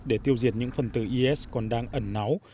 để tiêu diệt những phần từ is còn đang ẩn náu